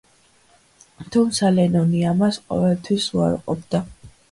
თუმცა, ლენონი ამას ყოველთვის უარყოფდა.